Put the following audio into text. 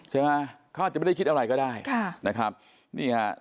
เขาอาจจะไม่ได้คิดอะไรก็ได้